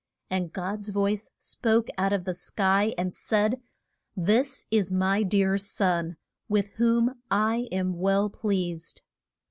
And God's voice spoke out of the sky, and said: This is my dear Son, with whom I am well pleased.